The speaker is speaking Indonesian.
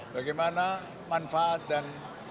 bagaimana manfaat dan